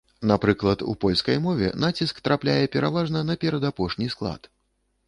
Напрыклад, у польскай мове націск трапляе пераважна на перадапошні склад.